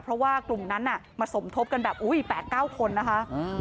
เพราะว่ากลุ่มนั้นมาสมทบกันแบบอุ้ย๘๙คนนะคะ